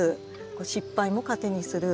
失敗も糧にする。